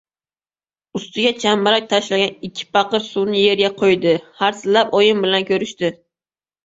Ustiga chambarak tashlangan ikki paqir suvni yerga qo‘ydi. Harsillab oyim bilan ko‘rishdi.